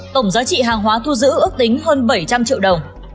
tổng giá trị hàng hóa thu giữ ước tính hơn bảy trăm linh triệu đồng